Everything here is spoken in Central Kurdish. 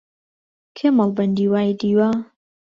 کێ مەڵبەندی وای دیوە؟